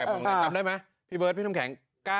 เอาได้ไหมพี่เบิร์ดพี่ทำแข็ง